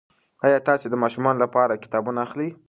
ایا تاسي د ماشومانو لپاره کتابونه اخلئ؟